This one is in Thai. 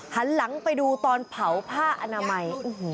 หันหลังไปดูตอนเผาผ้าอนามัย